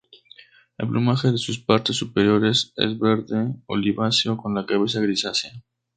El plumaje de sus partes superiores es verde oliváceo, con la cabeza grisácea.